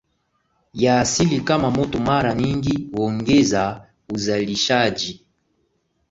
ya asili kama moto mara nyingi huongeza uzalishaji